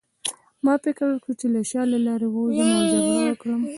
ما فکر وکړ چې له شا لارې ووځم او جګړه وکړم